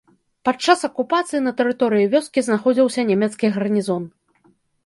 Падчас акупацыі на тэрыторыі вёскі знаходзіўся нямецкі гарнізон.